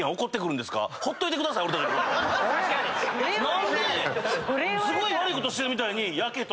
何ですごい悪いことしてるみたいに。